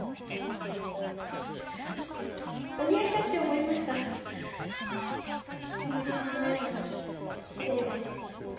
お似合いだって思いましたみおりさんのようなキレイで優秀で